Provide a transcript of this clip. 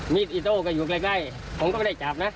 อิโต้ก็อยู่ใกล้ผมก็ไม่ได้จับนะ